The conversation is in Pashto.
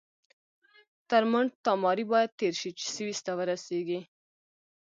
تر مونټ تاماري باید تېر شئ چې سویس ته ورسیږئ.